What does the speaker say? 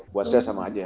buat saya sama aja